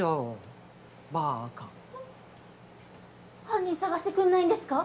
犯人捜してくんないんですか？